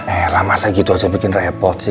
eh lah masa gitu aja bikin repot sih